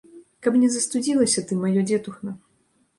Каб не застудзілася ты, маё дзетухна.